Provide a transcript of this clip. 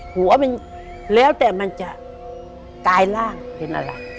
เห็นที่ไหนนะเบียน